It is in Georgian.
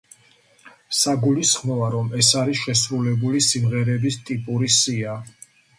საგულისხმოა, რომ ეს არის შესრულებული სიმღერების ტიპური სია.